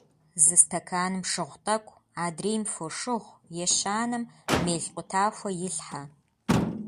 Зы стэканым шыгъу тӀэкӀу, адрейм — фошыгъу, ещанэм — мел къутахуэ илъхьэ.